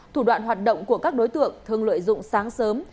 thủ đoạn hoạt động của các đối tượng thường lợi dụng sáng sớm